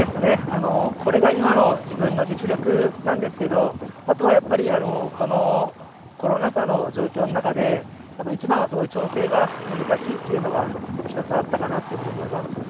これが今の自分の実力なんですけどあとはこのコロナ禍の状況の中で一番は、すごい調整が難しいというのがあったかと思います。